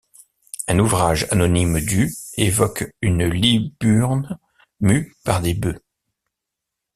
Un ouvrage anonyme du évoque une liburne mue par des bœufs.